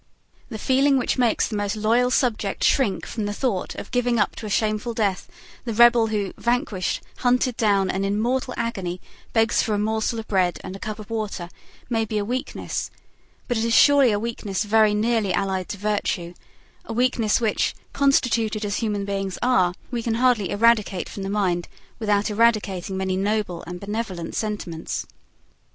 The feeling which makes the most loyal subject shrink from the thought of giving up to a shameful death the rebel who, vanquished, hunted down, and in mortal agony, begs for a morsel of bread and a cup of water, may be a weakness; but it is surely a weakness very nearly allied to virtue, a weakness which, constituted as human beings are, we can hardly eradicate from the mind without eradicating many noble and benevolent sentiments.